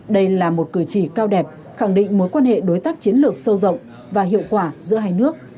đây là một cử chỉ cao đẹp khẳng định mối quan hệ đối tác chiến lược sâu rộng và hiệu quả giữa hai nước